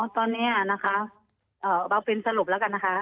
ตอนนี้นะคะเอาเป็นสรุปแล้วกันนะคะ